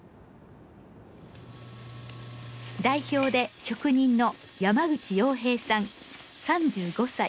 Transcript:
代表で職人の山口洋平さん３５歳。